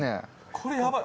これやばい！